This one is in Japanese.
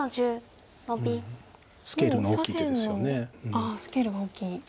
ああスケールが大きい。